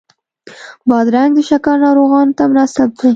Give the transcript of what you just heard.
بادرنګ د شکر ناروغانو ته مناسب دی.